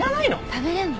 食べれんの？